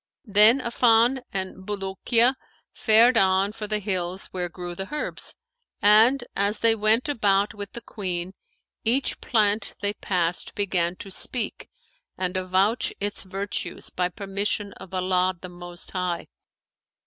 Then Affan and Bulukiya fared on for the hills where grew the herbs; and, as they went about with the Queen, each plant they passed began to speak and avouch its virtues by permission of Allah the Most High.